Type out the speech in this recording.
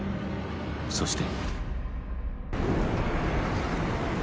そして。